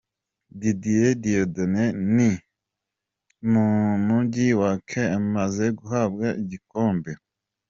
Disi Dieudoné mu mujyi wa Caen amaze guhabwa igikombe.